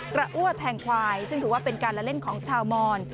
อ้วแทงควายซึ่งถือว่าเป็นการละเล่นของชาวมอน